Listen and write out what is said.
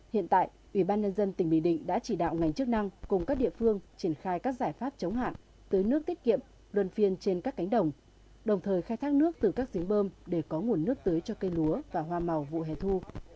hiện tại ubnd tỉnh bì định đã chỉ đạo ngành chức năng cùng các địa phương triển khai các giải pháp chống hạn tưới nước tiết kiệm luân phiên trên các cánh đồng đồng thời khai thác nước từ các giếng bơm để có nguồn nước tưới cho cây lúa và hoa màu vụ hẻ thu